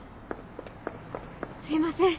すいません